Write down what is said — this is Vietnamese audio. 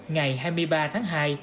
ngày hai mươi ba tháng hai